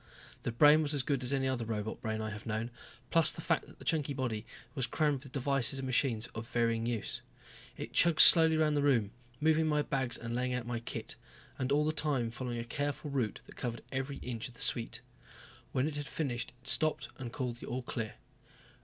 The brain was as good as any other robot brain I have known, plus the fact that the chunky body was crammed with devices and machines of varying use. It chugged slowly around the room, moving my bags and laying out my kit. And all the time following a careful route that covered every inch of the suite. When it had finished it stopped and called the all clear.